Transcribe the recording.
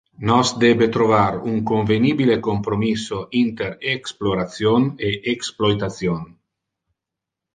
Nos debe trovar un convenibile compromisso inter exploration e exploitation.